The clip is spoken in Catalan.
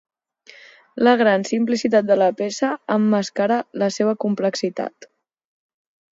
La gran simplicitat de la peça emmascara la seva complexitat.